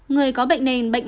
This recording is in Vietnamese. người có bệnh nền